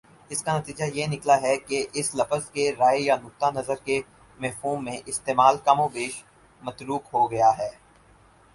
اس کا نتیجہ یہ نکلا ہے کہ اس لفظ کا رائے یا نقطۂ نظر کے مفہوم میں استعمال کم و بیش متروک ہو گیا ہے